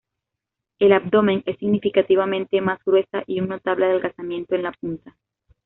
El abdomen es significativamente más gruesa y un notable adelgazamiento en la punta.